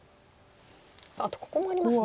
あとここもありますね。